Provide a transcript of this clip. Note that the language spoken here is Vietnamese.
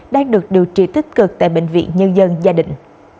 đang được điều trị tích cực tại bệnh viện nhân dân gia đình